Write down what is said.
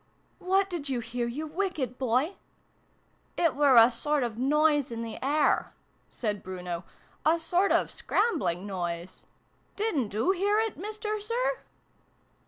" What did you hear, you wicked boy ?"" It were a sort of noise in the air," said Bruno :" a sort of a scrambling noise. Didn't oo hear it, Mister Sir